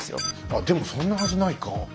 あでもそんなはずないか。